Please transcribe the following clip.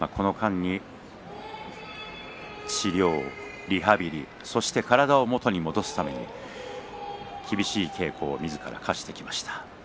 この間に治療、リハビリして体を元に戻すために厳しい稽古をみずから課してきました。